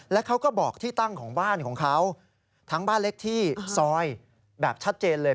แล้วเขาก็บอกที่ตั้งของบ้านของเขาทั้งบ้านเล็กที่ซอยแบบชัดเจนเลย